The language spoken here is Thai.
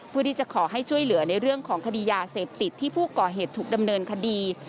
เพื่อที่จะขอให้ช่วยเหลือในเรื่องของคดียาเสพติดที่ผู้ก่อเหตุถูกดำเนินคดี